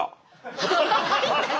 ハハハハ！